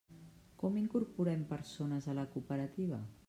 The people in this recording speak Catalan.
Com incorporem persones a la cooperativa?